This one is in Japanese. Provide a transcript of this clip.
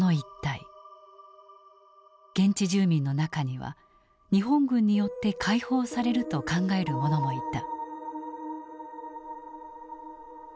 現地住民の中には日本軍によって解放されると考える者もいた。